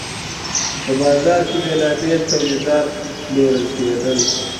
په بازار کي بیلابیل تولیدات پلورل کیدل.